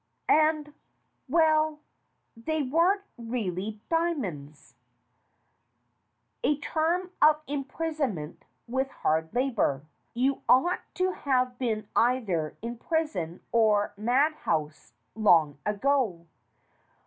And well they weren't really diamonds ?" "A term of imprisonment with hard labor. You ought to have been either in a prison or madhouse long ago.